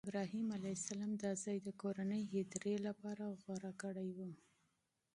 ابراهیم علیه السلام دا ځای د کورنۍ هدیرې لپاره غوره کړی و.